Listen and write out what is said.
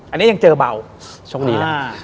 อันนี้ยังเจอแบบเบาโชคดีนะ